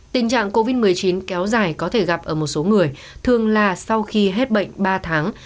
tình trạng covid một mươi chín kéo dài có thể gặp ở một số người thường là sau khi hết bệnh ba tháng